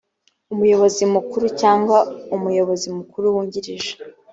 umuyobozi mukuru cyangwa umuyobozi mukuru wungirije